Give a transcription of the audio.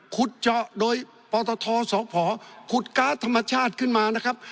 ขุดเจาะโดยปตทสพขุดการ์ดธรรมชาติขึ้นมานะครับ